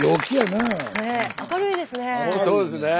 明るいですねえ。